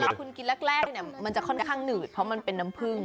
แต่คุณกินแรกเนี่ยมันจะค่อนข้างหนืดเพราะมันเป็นน้ำผึ้ง